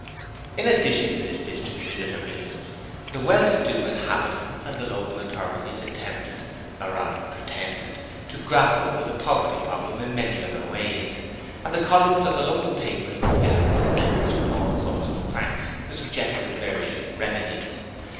In addition to this district visitor business, the well to do inhabitants and the local authorities attempted or rather, pretended to grapple with the poverty 'problem' in many other ways, and the columns of the local papers were filled with letters from all sorts of cranks who suggested various remedies.